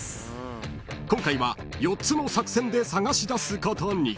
［今回は４つの作戦で探し出すことに］